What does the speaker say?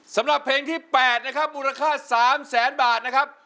สำหรับเพลงที่๘มูลค่า๓๐๐๐๐๐บาทนะครับ